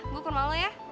gue ke rumah lo ya